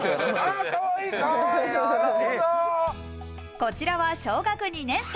こちらは小学２年生。